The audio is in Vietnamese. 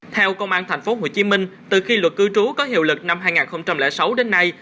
theo công an tp hcm từ khi luật cư trú có hiệu lực năm hai nghìn sáu đến nay